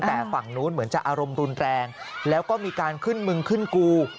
แต่ฝั่งนู้นเหมือนจะอารมณ์รุนแรงแล้วก็มีการขึ้นมึงขึ้นกู